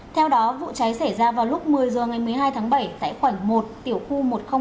theo đó vụ cháy xảy ra vào lúc một mươi h ngày một mươi hai tháng bảy tại khoảnh một tiểu khu một nghìn một mươi tám